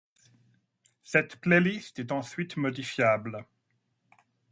Cette playlist est ensuite modifiable.